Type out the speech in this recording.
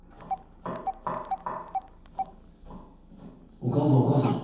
お母さんお母さん。